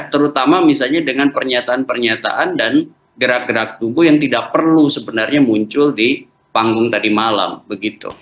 terutama misalnya dengan pernyataan pernyataan dan gerak gerak tubuh yang tidak perlu sebenarnya muncul di panggung tadi malam begitu